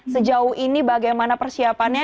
sejauh ini bagaimana persiapannya